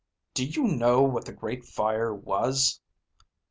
"Do you know what the Great Fire was?"